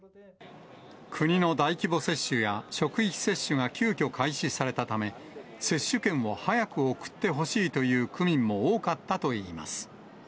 国の大規模接種や職域接種が急きょ開始されたため、接種券を早く送ってほしいという区民も多かったといいます。